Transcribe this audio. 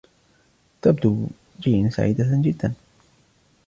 تبدو جين سعيدة جدا.